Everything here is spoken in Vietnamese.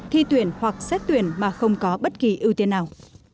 thi tuyển hoặc xét tuyển mà không có bất kỳ ưu tiên nào